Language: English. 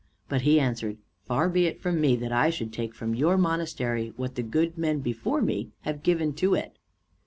But he answered, "Far be it from me that I should take from your monastery what the good men before me have given to it!